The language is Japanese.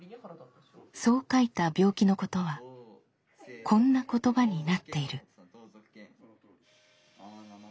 そう書いた病気のことはこんな言葉になっている。